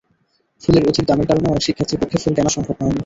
ফুলের অধিক দামের কারণে অনেক শিক্ষার্থীর পক্ষে ফুল কেনা সম্ভব হয়নি।